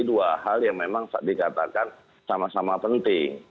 dua hal yang memang dikatakan sama sama penting